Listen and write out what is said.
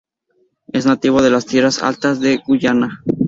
Es nativo de las tierras altas de Guyana.